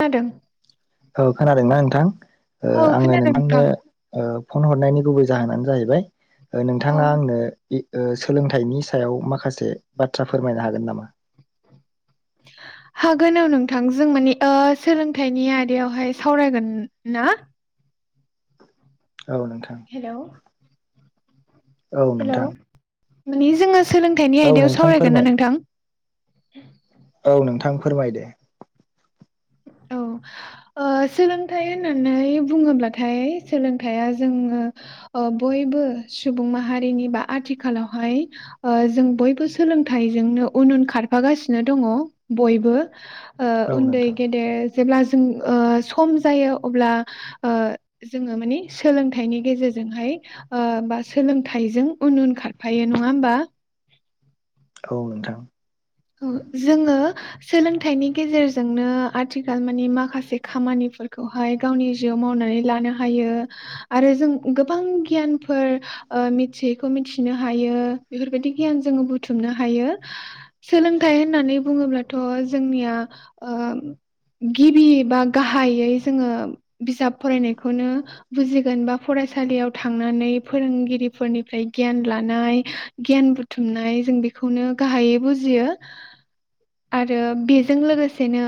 खोनादों औ खोनादोंना नोंथां औ आङो खोनादों नोंथांनो नोंथां फन हरनायनि गुबै जाहोनानो जाहैबाय औ नोंथाङा आंनो सोलोंथाइनि सायाव माखासे बाथ्रा फोरमायनो हागोन नामा [inaudible] हागोन औ नोंथां जों मानिे सोलोंथाइनि आयदायावहाय सावरायगोन ना औ नोंथां हेलौ औ नोंथां मानिे जोङो सोलोंथाइनि औ आयदायाव नोंथां सावरायगोन ना फोरमाय नोंथां औ नोंथां फोरमाय दो औ ओ सोलोंथाइ होननानै बुङोब्लाथाय सोलोंथाइया जोङो ओ बयबो सुबुं माहारिनि बा आथिखालावहाय ओ जों बयबो सोलोंथाइ जोंनो उन उन खारफागासिनो दङ बयबो औ उन्दै नोंथां गेदेर जेब्ला जों ओ सम जायो अब्ला ओ जोङो मानि सोलोंथाइनि गेजेरजों ओजोंहाय ओ बा सोलोंथाइजों उन उन खारफायो नङा होमबा औ नोंथां औ जोङो सोलोंथाइनि गेजेरजोंनो आथिखाल मानिे माखासे खामानि फोरखौहाय गावनि जिउआव मावनानै लानो हायो आरो जों गोबां गियानफोर ओ मिथियैखौ मिथिनो हायो बेफोरबायदि गियान जोङो बुथुमनो हायो। सोलोंथाइ होननानै बुङोब्लाथ' जोंनिया ओ - गिबि बा गाहाययै जोङो बिजाब फरायनायखौनो बुजिगोन बा फरायसालियाव थांनानै फोरोंगिरिफोरनिफ्राय गियान लानाय गियान। बुथुमनाय जों बेखौनो गाहाययै बुजियो। आरो बेजों लोगोसेनो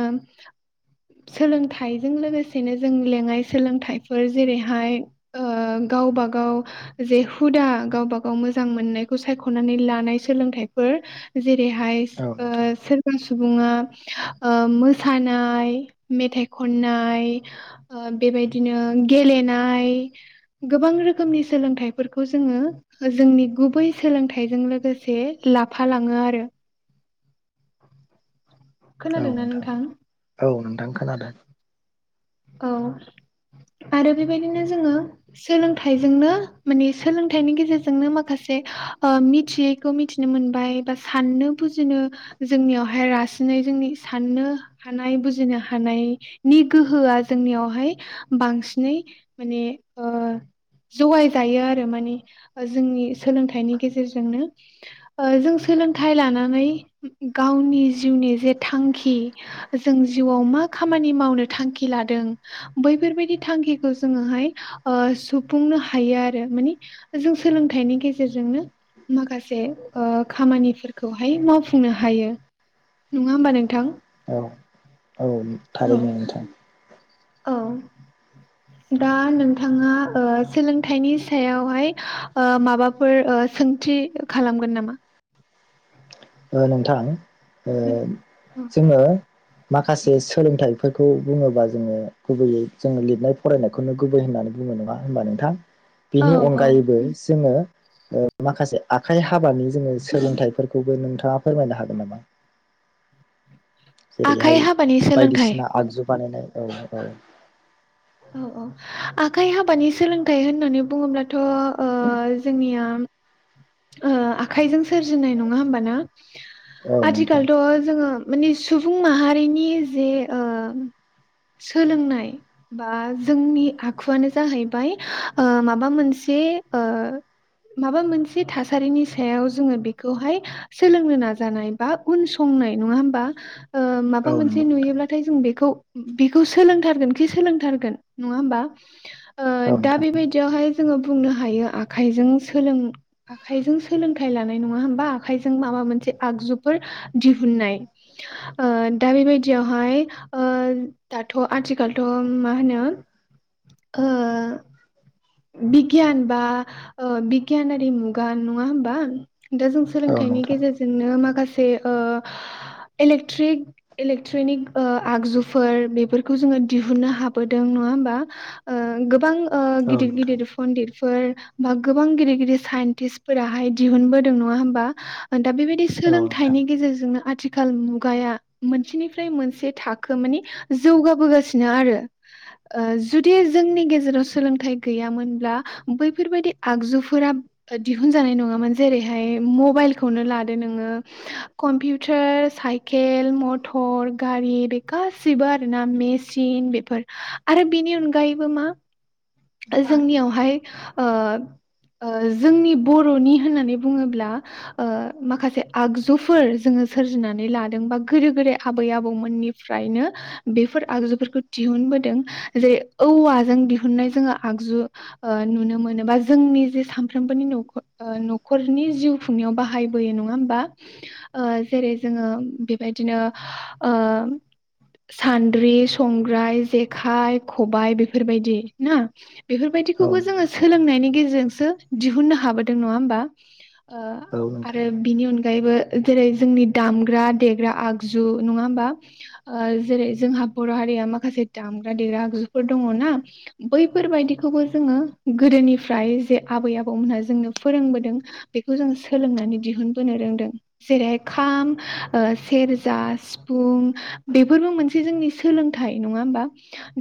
सोलोंथाइजों लोगोसेनो जों लेङाइ सोलोंथाइफोर जेरैहाय ओ। गावबा-गाव जे हुदा गावबा गाव मोजां मोननायखौ सायख'नानै लानाय सोलोंथाइफोर। जैरैहाय औ ओ नोंथां [unintelligible] बेजोंनो ओ मोसानाय, मेथाइ खननाय ओ बेबादिनो गेलनाय गोबां रोखोमनि सोलोंथाइफोरखौ जोंङो ओजों जोंनि गुबै सोलोंथाइजों लोगोसे लाफालाङो आरो। औ नोंथां औ नोंथां खोनादों? औ आरो बेबायदिनो जोङो सोलोंथाइजोंनो माने सोलोंथाइनि गेजेरजोंनो माखासे ओ मिथियैखौ मिथिनो मोनबाय बा साननो बुजिनो जोंनियावहाय रासिनै जोंनि साननो हानाय बुजिनो हानायनि गोहो होआ जोंनियावहाय बांसिनै माने ओ जगाय जायो आरो मानि जोंनि सोलोंथाइनि गेजेरजोंनो ओ जों सो सोलोंथाइ लानानै गावनि जिउनि जे थांखि जों जिउआव मा खामानि मावनो थांखि लादों बैफोरबायदि थांखिखौ जोङोहाय सुफुंनो हायो आरो। मानि जों सोलोंथाइनि गेजेरजोंनो। माखासे ओ खामानिफोरखौहाय मावफुंनो हायो। नङा होमबा नोंथां। औ औ औ थारैनो नोंथां। औ दा नोंथाङा ओ सोलोंथाइनि सायावहाय ओ माबाफोर ओ। सोंथि खालामगोन नामा? ओ नोंथां ओ जोङो। माखासे सोलोंथाइफोरखौ बुङोबा जोङो गुबैयै जोङो लिरनाय फरायनायखौनो गुबै होननानै बुङो नङा होनोमबा नोंथां, औ बेनि औ अनगायैबो जोङो ओ माखासे आखाइ हाबानि जोङो सोलोंथाइफोरखौबो नोंथां ङा फोरमायनो हागोन नामा? आखाइ जेरैहाय हाबानि सोलोंथाइ बायदिसिना आगजु बानायनाय औ औ औ आखाइ हाबानि सोलोंथाइ होननानै बुङोब्लाथ' ओ जोंनिया ओ आखाइजों सोरजिनाय नङा होमबा ना? औ नोंथां आथिखालथ' जोङो माने सुबुं माहारिनि जे ओ सोलोंनाय बा जोंनि आखुआनो जाहैबाय ओ माबा मोन से ओ माबा मोन से थासारिनि सायाव जोङो बेखौहाय सोलोंनो नाजानाय बा उन संनाय नङा होमबा? ओ माबा औ मोनसे नंगौ नोंथां नुयोब्लाथाय जों बेखौ बिखौ सोलोंथारगोनखि सोलोंथारगोन नङा होमबा? ओ औ दा नोंथां बेबायदियावहाय जोङो बुंनो हायो आखाइजों सोलों आखाइजों सोलोंथाइ लानाय नङा होमबा? आखाइजों माबा मोनसे आगजुफोर दिहुननाय। ओ दा बेबायदियावहाय, ओ‌ल दाथ' आथिखालथ' मा होनो? ओ बिगियान बा ओ‌ बिगियानारि मुगा नङा होमबा? दा जों औ सोलोंथाइनि नोंथां गेजेरजोंनो माखासे ओ इलेक्ट्रिक इलेक्ट्रिनिक ओ आगजुफोर बेफोरखौ जोङो दिहुननो हाबोदों। न ङा होमबा? ओ गोबां औ नोंथां। पन्दितफोर बा गोबां गिदिर गिदिर साइन्टिसफोराहाय दिहुनबोदों। नङा होमबा? दा बेबायदि औ नोंथां सोलोंथाइनि गेजेरजोंनो आथि खाल मुगाया मोनसेनिफ्राय मोनसे थाखो मानि जौगाबोगासिनो आरो। ओ जुदि जोंनि गेजेराव सोलोंथाइ गैयामोनब्ला बैफोरबायदि आगजुफोरा दिहुन जानाय नङामोन। जेरैहाय मबाइल खौनो लादो नोङो। कम्पिउटार, साइकेल, मटर, गारि गासिबो आरोना मेचिन बेफोर। आरो बेनि अनगायैबो मा ओ जोंनियावहाय ओ ओ जोंनि बर'नि होननानै बुङोब्ला ओ‌ माखासे आगजुफोर जोङो सोरजिनानै लादों बा गोदो गोदाय आबै आबौमोननिफ्रायनो बेफोर आगजुफोरखौ दिहुन बोदों। जे औवाजों दिहुननाय जोङा आगजु ओ नुनो मोनोबा जोंनि जे सामफ्रोमबोनि नखर ओ नखरनि जिउ खुंना याव बाहायबोयो नङा होमबा? ओ जेरै जोङो बेबायदिनो ओ सान्द्रि, संग्राय, जेखाइ, खबाय बेफोरबायदि ना। औ बेफोरबायदिखौबो जोङो नोंथां सोलोंनायनि गेजेरजोंसो दिहुननो हाबोदों। नङा होमबा? ओ औ नोंथां आरो बिनि अनगायैबो जेरै जोंनि दामग्रा देग्रा आगजु। नङा होमबा? ओ जेरै जोंहा बर' हारि या माखासे दामग्रा देग्रा आगजुफोर दङ'ना। बैफोरबायदिखौबो जोङो गोदोनिफ्राय जे आबै आबौमोनहा जोंनो फोरोंबोदों बेखौ जों सोलोंनानै दिहुनबोनो रोंदों। जेरैहाय खाम ओ सेरजा, सिफुं बेफोरबो मोनसे जोंनि सोलोंथाइ। नङा होमबा?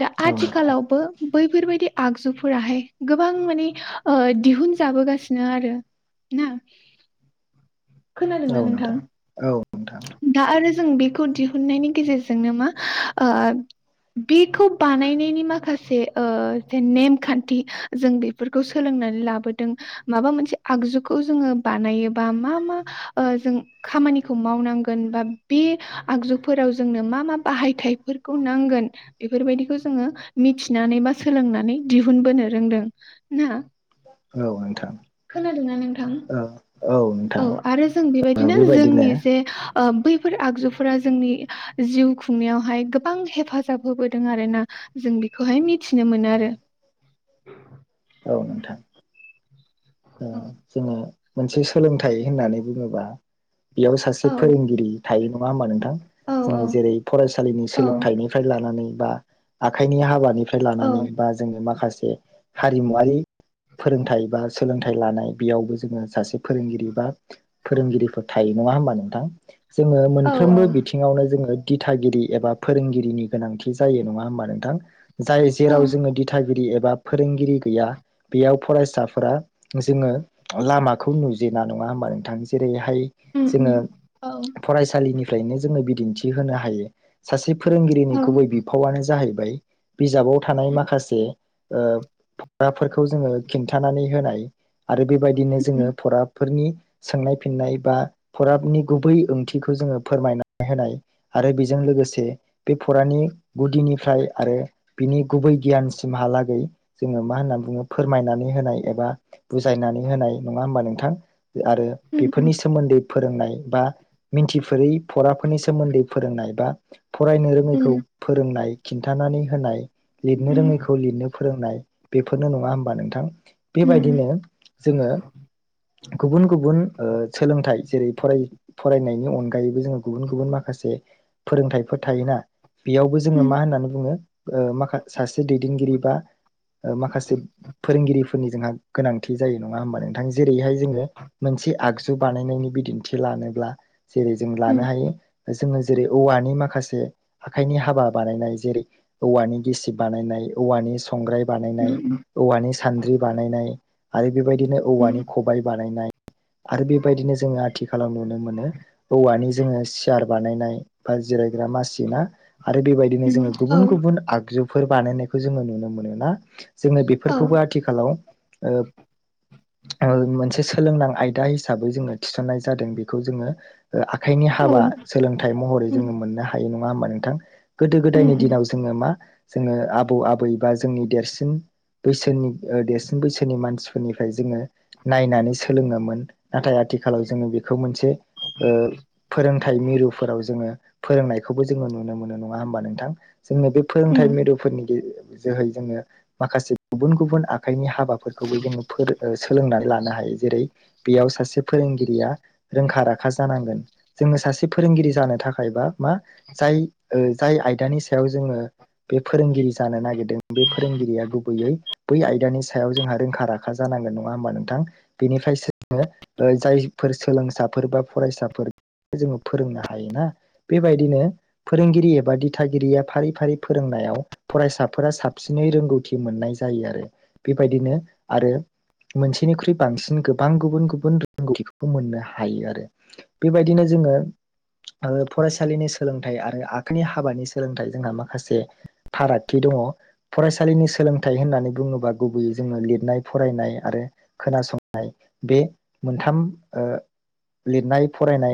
दा औ नोंथां औ नोंथां आथिखालावबो बैफोरबायदि आगजुफोराहाय गोबां माने ओ‌ दिहुन जाबोगासिनो आरो। ना खोनादोंना औ नोंथां? औ दा आरो जों बेखौ दिहुननायनि गेजेरजोंनो मा ओ बेखौ बानायनायनि माखासे ओ जे नेमखान्थि जों बेफोरखौ सोलोंनानै लाबोदों माबा मोनसे आगजुखौ जोङो बानायोबा मा मा ओ जों खामानिखौ मावनांगोन बा बे आगजुफोराव जोंनो मा मा बाहायथायफोरखौ नांगोन बेफोरबायदिखौ जोङो मिथिनानै बा सोलोंनानै दिहुनबोनो रोंदों ना। नोंथां खोनादोंना नोंथा? औ औ नोंथां आरो जों बेबायदिनो जोंनि जे ओ बै फोर आगजुफोरा जोंनि जिउ खुंनायावहाय गोबां हेफाजाब होबोदों आरोना। जों बेखौहाय मिथिनो मोनो आरो। औ नोंथां। औ जोङो मोनसे सोलोंथाइ होननानै बुङोबा बेयाव सासे औ फोरोंगिरि थायो। नङा होमबा? नों औ जोङो जेरै फरायसालिनि औ सोलोंथाइनिफ्राय लानानै बा आखाइनि हाबानि फ्राय औ लानानै बा जोङो माखासे हारिमुवारि फोरोंथाइ बा सोलोंथाइ लानाय बेयावबो जोङो सासे फोरोंगिरि बा फोरोंगिरिफोर थायो। नङा होमबा नोंथां? जोङो औ मोनफ्रोमबो बिथिङावनो जोङो दिथागिरि एबा फोरोंगिरिनि गोनांथि जायो। नङा होमबा नोंथां? जाय औ जेराव जोङो दिथागिरि एबा फोरोंगिरि गैया बेयाव फरायसाफोरा जोङो लामाखौ नुजेना। नङा होनबा नों थां? जेरै हाय उम उम जोङो औ फरायसालिनिफ्रायनो जोङो बिदिन्थि होनो हायो। सासे फोरोंगिरिनि औ गुबै बिफावानो जाहैबाय बिजाबाव थानाय माखासे ओ फुआफोरखौ जोङो खिन्थानानै होनाय। आरो बेबायदिनो जोङो उम फराफोरनि सोंनाय फिननाय बा फराबनि गुबै ओंथिखौ जोङो फोरमायना होनाय आरो बेजों लोगोसे बे फरानि गुदिनिफ्राय आरो बिनि गुबै गियानसिमहालाग गै जोङो मा होननानै बुङो फोरमायनानै होनाय एबा बुजायनानै होनाय नङा होमबा नोंथां आरो उम बेफोरनि उम सोमोन्दै फोरोंनाय बा मिन्थिफेरै फराफोरनि सोमोन्दै फोरोंनाय बा फरायनो रोङैखौ उम फोरोंनाय खिन्थानानै होनाय लिरनो उम रोङैखौ लिरनो फोरोंनाय बेफोरनो नङा होमबा नोंथां। उम बेबायदिनो जोङो गुबुन गुबुन ओ सोलोंथाइ जेरै फरायनायनि अनगायैबो जोङो गुबुन गुबुन माखासे फोरोंथाइफोर थायोना। बेयावबो जोङो उम मा होननानै बुङो माखा सासे दैदेनगिरि बा माखासे फोरोंगिरिफोरनि जोंहा गोनांथि जायो नङा होमबा नोंथां जेरैहाय जोङो मोनसे आगु बानायनायनि बिदिथि लानोबा जेरै जोङो लानो उम हायो। जोङो जेरै औवानि माखासे आखाइनि हाबा बानायनाय जेरै औवानि गिसिब बानायनाय औवानि संग्राय उम बानायनाय औवानि सान्द्रि बानायनाय आरो। बेबायदिनो उम औवानि खबाय बानायनाय आरो बेबायदिनो जोङो आथिखालाव नुनो मोनो औवानि जोङो सियार बानायनाय बा जिरायग्रा मासिना आरो बेबायदिनो उम जोङो औ गुबुन गुबुन आगजुफोर बानायनायखौ जोङो नुनो मोनोना जोङो औ बेफोरखौबो आथिखालाव ओ ओ मोनसे सोलोंनां आयदा हिसाबै जोङो थिसननाय जादों बेखौ जोङो आखाइनि औ हाबा उम सोलोंथाइ महरै जोङो मोननो हायो नङा होमबा नोंथां गोदो उम गोदायनि उम दिनाव जोङो मा जोङो आबौ आबै बा जोंनि देरसिन बैसोरनि देरसिन बैसोनि मानसिफोरनिफ्राय जोङो नायनानै सोलोङोमोन नाथाय आथ आथिखालाव जोङो बेखौ मोनसे ओ फोरोंथाइ मिरुफोराव जोङो फोरोंनायखौबो जोङो नुनो मोनो नङा होमबा नोंथां जोंनो बे उम फोरोंथाइ मेदुफोरनि गेजे जोहै जोङो माखासे गुबुन गुबुन आ आखाइनि हाबाफोरखौबो जोङो फोरों सोलोंनानै लानो हायो जेरै बेयाव सासे फोरोंगिरिया रोंखा राखा जानांगोन जोङो सासे फोरोंगिरि जानो थाखायबा मा जाय जाय आयदानि सायाव जोङो बे फोरोंगिरि जानो नागिरद बे फोरोंगिरिया गुबैयै आयदानि सायाव जोंहा रोंखा राखा जानांगोन नङा हबा नोंथां बेनिफ्रायसो जायफोर सोलोंसाफोर बा फरायसाफोर जोङो फोरोंनो हायोना बेबायदिनो फोरोंगिरि एबा दिथागिरिया फारि फारि फोरोंनाय नायाव फरायसाफोरा साबसिनै रोंगौथि मोननाय जायो आरो बेबायदिनो आरो मोनसेनिख्रुइ बांसिन गोबां गुबुन गुबुन रोंगौथिबो मोननो हायो आरो बेबायदिनो जों जोङो ओ फरायसालिनि सोलोंथाइ आरो आखाइनि हाबानि सोलोंथाइ जोंहा माखासे फाराग थि दङ फरायसालिनि सोलोंथाइ होननानै बुङोबा गुबैयै जोङनो लिरनाय फरायनाय आरो खोनासंय बे मोनथाम लिरनाय फरायनाय